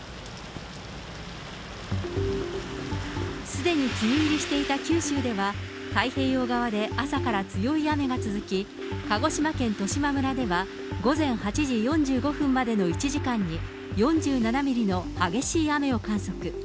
すでに梅雨入りしていた九州では、太平洋側で朝から強い雨が続き、鹿児島県十島村では、午前８時４５分までの１時間に４７ミリの激しい雨を観測。